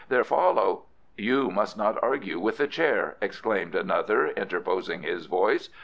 There follow " "You must not argue with the Chair," exclaimed another interposing his voice.